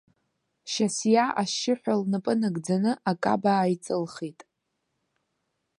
Шьасиа ашьшьыҳәа лнапы нагӡаны акаба ааиҵылхит.